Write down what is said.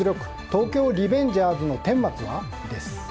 「東京リベンジャーズ」の顛末は？です。